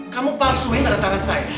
kamu palsuin ada tangan saya